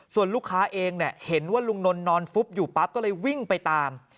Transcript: ส่วนลูกค้าเองเห็นว่าลุงนนทนอนฟุบอยู่ปั๊บก็เลยวิ่งไปตาม